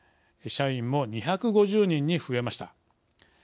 社員も２５０人に増えました。